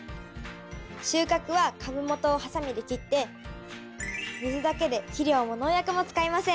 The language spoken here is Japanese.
収穫は株元をハサミで切って水だけで肥料も農薬も使いません。